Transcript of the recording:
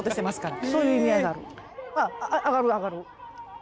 ああ上がる上がる。